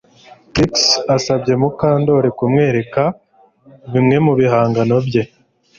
Trix yasabye Mukandoli kumwereka bimwe mu bihangano bye